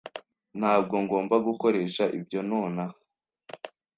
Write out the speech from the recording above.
Ntabwo ngomba gukoresha ibyo nonaha.